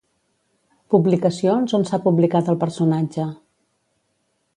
Publicacions on s'ha publicat el personatge.